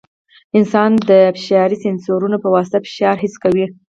انسان د فشاري سینسرونو په واسطه فشار حس کوي.